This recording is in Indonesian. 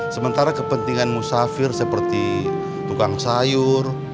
sementara kepentingan musafir seperti tukang sayur